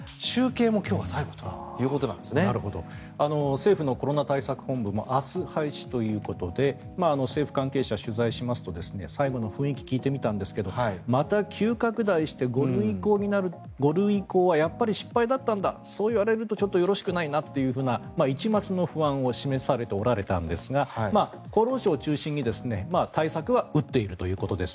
政府のコロナ対策本部も明日、廃止ということで政府関係者、取材しますと最後の雰囲気聞いてみたんですがまた急拡大して、５類移行はやっぱり失敗だったんだそう言われるとよろしくないなという一抹の不安を示しておられたんですが厚労省を中心に対策は打っているということです。